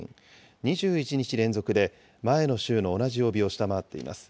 ２１日連続で前の週の同じ曜日を下回っています。